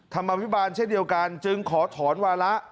ธรรมวิบาลเช่นเดียวกันจึงขอถอนวาระ